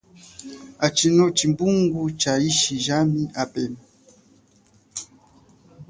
Atshino tshimbungu tsha yishi jami apema.